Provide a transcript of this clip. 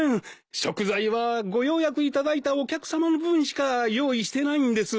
食材はご予約いただいたお客さまの分しか用意してないんです。